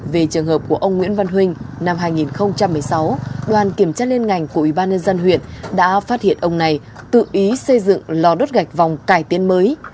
về trường hợp của ông nguyễn văn huynh năm hai nghìn một mươi sáu đoàn kiểm tra liên ngành của ủy ban nhân dân huyện đã phát hiện ông này tự ý xây dựng lò đốt gạch vòng cải tiến mới